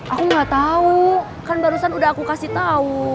aku gak tau kan barusan udah aku kasih tau